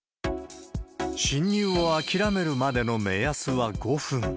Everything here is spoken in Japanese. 侵入を諦めるまでの目安は５分。